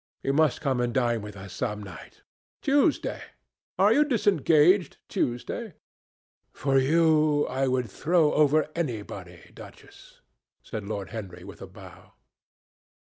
You must come and dine with us some night. Tuesday? Are you disengaged Tuesday?" "For you I would throw over anybody, Duchess," said Lord Henry with a bow.